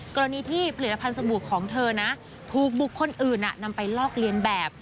กรณีที่ผลิตภัณฑ์สบู่ของเธอนะถูกบุคคลอื่นนำไปลอกเลียนแบบ